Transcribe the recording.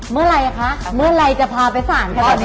เมื่อไหร่คะเมื่อไหร่จะพาไปสารเขาตอนนี้